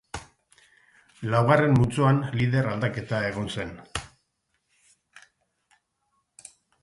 Laugarren multzoan lider aldaketa egon zen.